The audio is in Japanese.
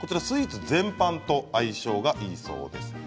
スイーツ全般と相性がいいそうです。